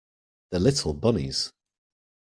The little bunnies!